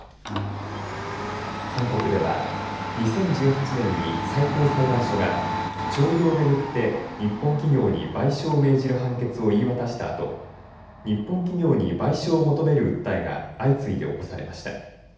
韓国では２０１８年に最高裁判所が徴用をめぐって日本企業に賠償を命じる判決を言い渡したあと日本企業に賠償を求める訴えが相次いで起こされました。